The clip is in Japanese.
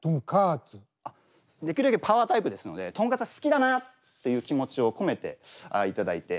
できるだけパワータイプですのでとんかつが好きだなという気持ちを込めていただいて。